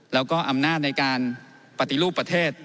แล้วก็อำนาจในการปฏิรูปประเทศ